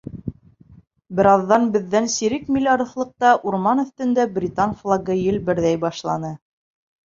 Бер аҙҙан беҙҙән сирек миль алыҫлыҡта, урман өҫтөндә, британ флагы елберҙәй башланы.